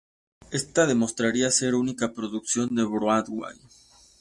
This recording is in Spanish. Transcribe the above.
Esta demostraría ser su única producción en Broadway.